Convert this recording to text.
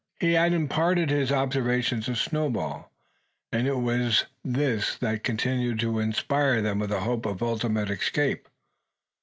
He had imparted his observation to Snowball, and it was this that continued to inspire them with a hope of ultimate escape.